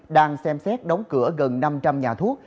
đang xem xét đóng cửa gần năm trăm linh nhà thuốc